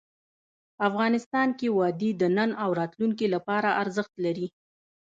افغانستان کې وادي د نن او راتلونکي لپاره ارزښت لري.